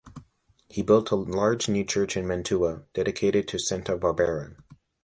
He built a large new church in Mantua, dedicated to Santa Barbara.